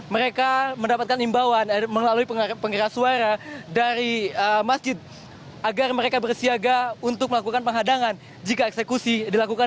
mereka mendapatkan imbauan melalui pengeras suara dari masjid agar mereka bersiaga untuk melakukan penghadangan jika eksekusi dilakukan